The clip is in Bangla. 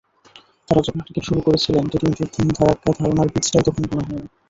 তাঁরা যখন ক্রিকেট শুরু করেছিলেন, টি-টোয়েন্টির ধুমধাড়াক্কা ধারণার বীজটাই তখনো বোনা হয়নি।